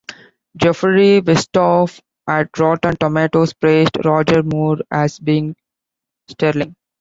Jeffrey Westhoff at Rotten Tomatoes praised Roger Moore as being "sterling".